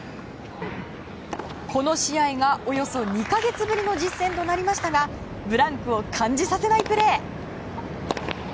この試合が、およそ２か月ぶりの実戦となりましたがブランクを感じさせないプレー。